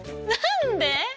何で！？